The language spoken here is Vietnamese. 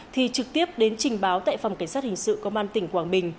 thì trực tiếp đến trình báo tại phòng cảnh sát hình sự công an tỉnh quảng bình